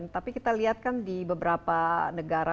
tapi kita lihat kan di beberapa negara